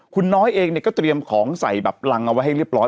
คุณน้อยเองเนี่ยก็เตรียมของใส่แบบรังเอาไว้ให้เรียบร้อย